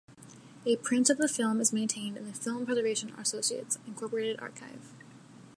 A print of the film is maintained in the Film Preservation Associates, Incorporated archive.